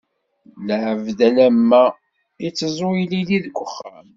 Lɛebd alemmam, iteẓẓu ilili deg uxxam.